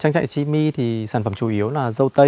trang trại chimi thì sản phẩm chủ yếu là dâu tây